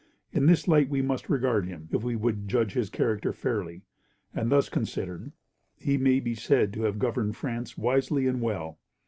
In this light we must regard him if we would judge his character fairly; and thus considered, he may be said to have governed France wisely and well.